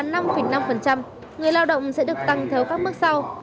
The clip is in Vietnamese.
người lao động sẽ được tăng theo các mức sau